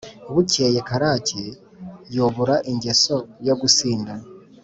bukeye karake yubura ingeso yo gusinda